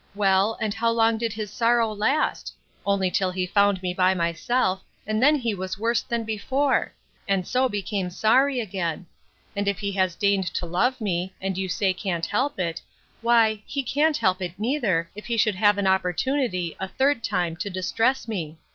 Well, and how long did his sorrow last?—Only till he found me by myself; and then he was worse than before: and so became sorry again. And if he has deigned to love me, and you say can't help it, why, he can't help it neither, if he should have an opportunity, a third time to distress me.